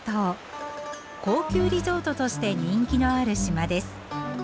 高級リゾートとして人気のある島です。